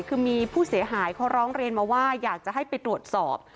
คือมีผู้เสียหายเขาร้องเรียนมาว่าอยากจะให้ไปตรวจสอบ